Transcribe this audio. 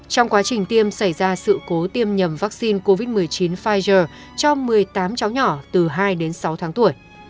trong quá trình tiêm xảy ra sự cố tiêm nhầm vaccine covid một mươi chín pfizer cho một mươi tám cháu nhỏ từ hai đến sáu tháng tuổi